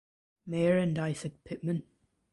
Mayor and Isaac Pitman.